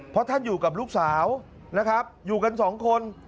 เพราะท่านอยู่กับลูกสาวนะครับอยู่กันสองคน